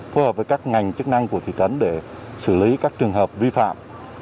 phối hợp với các ngành chức năng của thị trấn để xử lý các trường hợp vi phạm